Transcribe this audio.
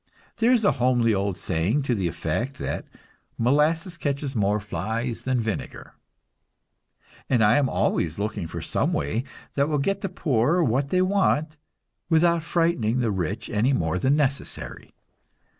There is a homely old saying to the effect that "molasses catches more flies than vinegar"; and I am always looking for some way that will get the poor what they want, without frightening the rich any more than necessary.